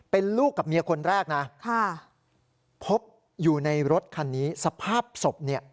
เป็นลูกกับเมียคนแรกนะพบอยู่ในรถคันนี้สภาพศพเนี่ย